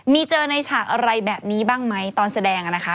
มีเจอในฉากอะไรแบบนี้บ้างไหมตอนแสดงนะคะ